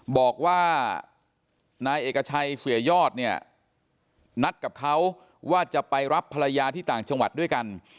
บอกว่านายเอกชัยเสียยอดเนี่ยนัดกับเขาว่าจะไปรับภรรยาที่ต่างจังหวัดด้วยกัน